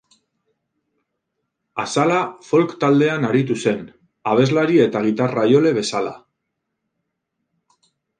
Azala folk taldean aritu zen, abeslari eta gitarra-jole bezala.